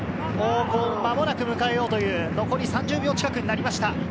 間もなく迎えようという、残り３０秒近くになりました。